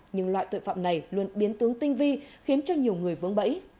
nhưng loại tội phạm này luôn biến tướng tinh vi khiến cho nhiều người vướng bẫy